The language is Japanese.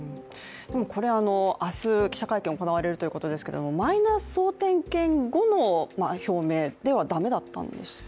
でもこれ、明日、記者会見が行われるということですけれどもマイナ総点検後の表明ではだめだったんですか？